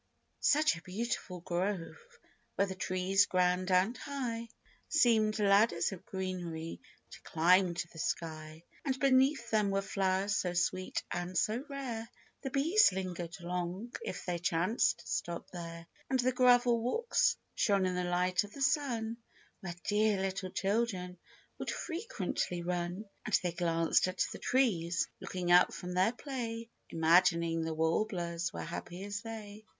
S UCH a beautiful grove, where the trees grand and high, Seemed ladders of greenery to climb to the sky ; And beneath them were flowers so sweet and so rare, The bees lingered long, if they chanced to stop there ; And the gravel walks shone in the light of the sun, Where dear little children would frequently run ; And they glanced at the trees, looking up from their play, Imagining the warblers were happy as they.